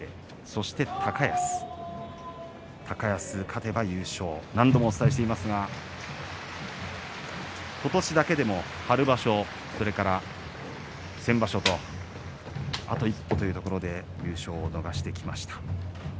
そして高安、勝てば優勝何度もお伝えしていますが今年だけでも春場所、先場所とあと一歩というところで優勝を逃してきました。